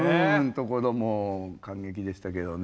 ところも感激でしたけどね。